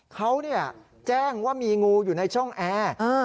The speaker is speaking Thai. เขาแจ้งว่ามีงูอยู่ในช่องแอร์